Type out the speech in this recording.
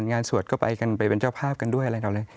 งานสวดก็ไปกันไปเป็นเจ้าภาพกันด้วยอะไร